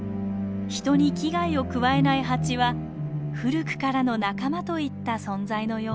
人に危害を加えないハチは古くからの仲間といった存在のようです。